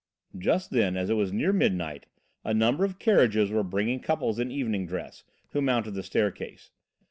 Just then, as it was near midnight, a number of carriages were bringing couples in evening dress, who mounted the staircase.